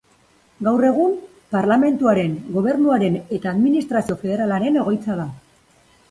Gaur egun, parlamentuaren, gobernuaren eta administrazio federalaren egoitza da.